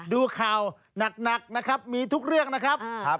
ดูข่าวหนักนะครับมีทุกเรื่องนะครับ